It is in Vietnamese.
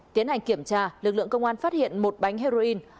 tiến hành kiểm tra lực lượng công an phát hiện một bánh heroin